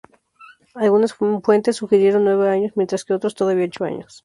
Algunas fuentes sugieren nueve años, mientras que otros todavía ocho años.